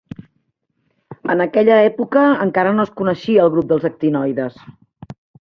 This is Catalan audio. En aquella època encara no es coneixia el grup dels actinoides.